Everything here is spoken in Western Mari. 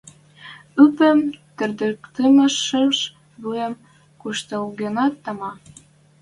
Ӱпем тӹредӹктӹмӓшеш вуем куштылгенӓт, тама.